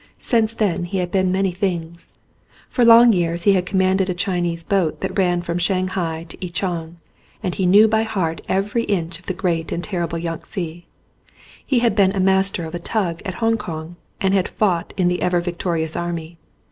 Since then he had been many things. For long years he had commanded a Chinese boat that ran from Shanghai to Ichang and he knew by heart every inch of the great and terrible Yangtze. He had been master of a tug at Hong Kong and had fought in the Ever Victorious Army.